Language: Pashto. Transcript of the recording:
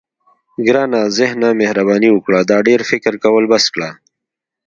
ګرانه ذهنه مهرباني وکړه دا ډېر فکر کول بس کړه.